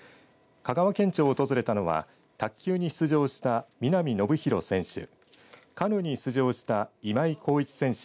香川県庁を訪れたのは卓球に出場した皆見信博選手